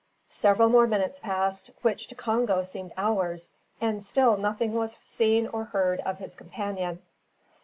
Several more minutes passed, which to Congo seemed hours, and still nothing was seen or heard of his companion.